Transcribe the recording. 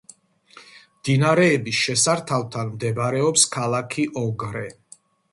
მდინარეების შესართავთან მდებარეობს ქალაქი ოგრე.